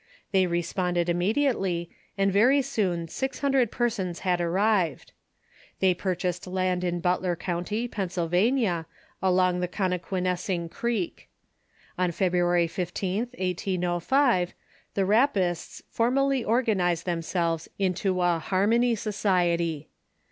They responded im mediately, and very soon six hundred persons had arrived. They purchased land in Butler County, Pennsylvania, along the Conequenessing Creek. On February 15th, 1805, the Rapp ists formally organized themselves into a "Harmony Societv."